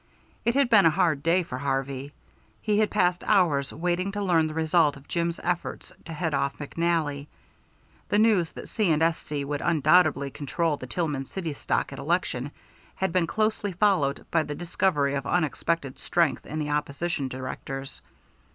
It had been a hard day for Harvey. He had passed hours waiting to learn the result of Jim's efforts to head off McNally. The news that C. & S.C. would undoubtedly control the Tillman City stock at election had been closely followed by the discovery of unexpected strength in the opposition directors.